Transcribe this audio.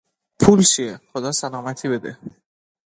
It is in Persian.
پول چیه، خدا سلامتی بده!